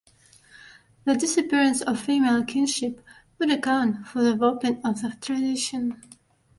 The disappearance of female kinship would account for the warping of the tradition.